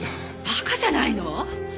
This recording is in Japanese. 馬鹿じゃないの？